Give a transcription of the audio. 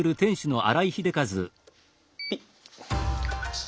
ピッ。